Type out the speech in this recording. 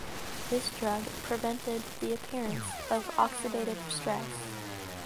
This drug prevented the appearance of oxidative stress.